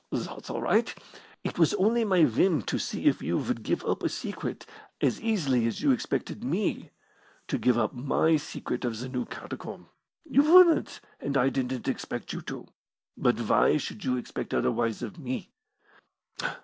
"That's all right. It was only my whim to see if you would give up a secret as easily as you expected me to give up my secret of the new catacomb. You wouldn't, and I didn't expect you to. But why should you expect otherwise of me?